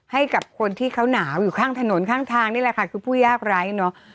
ให้กับคนที่เขาหนาวอยู่ข้างถนนข้างทางนี่แหละค่ะคือผู้ยากไร้เนอะ